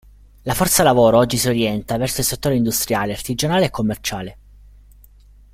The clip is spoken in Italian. La forza lavoro oggi si orienta verso il settore industriale, artigianale e commerciale.